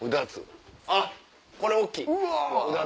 あっこれ大っきい！